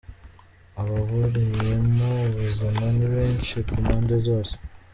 Ababuriyemo ubuzima ni benshi ku mpande zose.